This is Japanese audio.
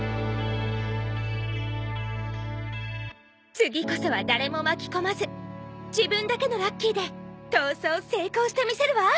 次こそは誰も巻き込まず自分だけのラッキーで逃走成功してみせるわ！